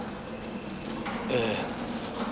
ええ。